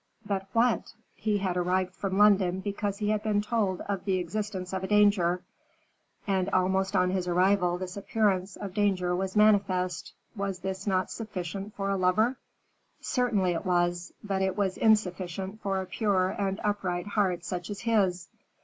But what? He had arrived from London because he had been told of the existence of a danger; and almost on his arrival this appearance of danger was manifest. Was not this sufficient for a lover? Certainly it was, but it was insufficient for a pure and upright heart such as his.